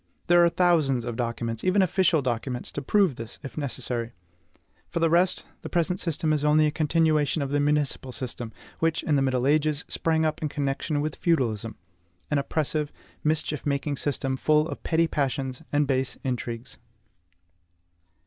There are thousands of documents, even official documents, to prove this, if necessary. For the rest, the present system is only a continuation of the municipal system, which, in the middle ages, sprang up in connection with feudalism, an oppressive, mischief making system, full of petty passions and base intrigues.